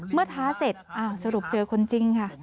ท้าเสร็จสรุปเจอคนจริงค่ะ